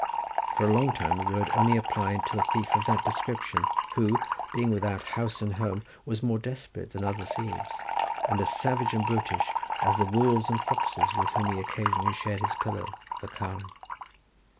For a long time the word was only applied to a thief of that description, who, being without house and home, was more desperate than other thieves, and as savage and brutish as the wolves and foxes with whom he occasionally shared his pillow, the carn.